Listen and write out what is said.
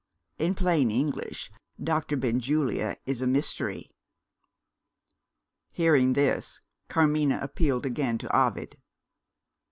In plain English, Dr. Benjulia is a mystery." Hearing this, Carmina appealed again to Ovid.